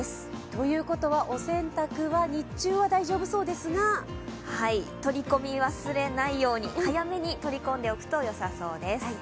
ということはお洗濯は日中は大丈夫そうですが取り込み忘れないように、早めに取り込んでおくとよさそうです。